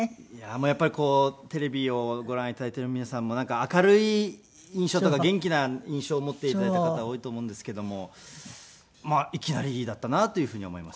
やっぱりこうテレビをご覧頂いている皆さんもなんか明るい印象とか元気な印象を持って頂いた方が多いと思うんですけどもまあいきなりだったなというふうには思いますね。